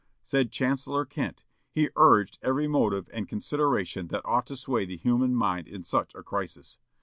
Said Chancellor Kent: "He urged every motive and consideration that ought to sway the human mind in such a crisis.